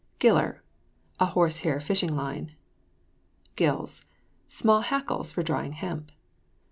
GILLER. A horse hair fishing line. GILLS. Small hackles for drying hemp.